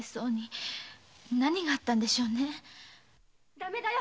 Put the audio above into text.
・ダメだよ